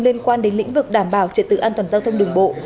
liên quan đến lĩnh vực đảm bảo trật tự an toàn giao thông đường bộ